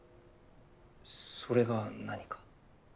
それが何か？